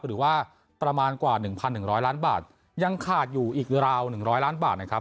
หรือว่าประมาณกว่าหนึ่งพันหนึ่งร้อยล้านบาทยังขาดอยู่อีกราวหนึ่งร้อยล้านบาทนะครับ